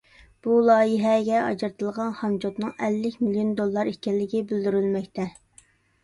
بۇ لايىھەگە ئاجرىتىلغان خامچوتنىڭ ئەللىك مىليون دوللار ئىكەنلىكى بىلدۈرۈلمەكتە.